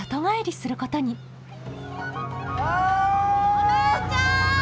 お姉ちゃん！